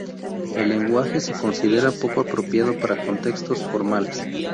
El lenguaje se considera poco apropiado para contextos formales.